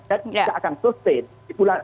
dan tidak akan sustain